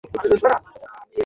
আমার অফিসে একটু আসুন, মহোদয়গণ।